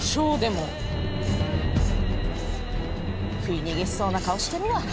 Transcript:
喰い逃げしそうな顔してるわ。